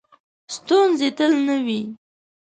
ستونزې تل نه وي .